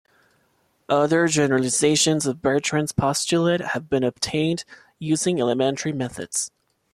Other generalizations of Bertrand's Postulate have been obtained using elementary methods.